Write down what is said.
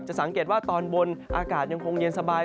สังเกตว่าตอนบนอากาศยังคงเย็นสบาย